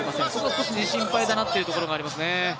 少し心配だなというところがありますね。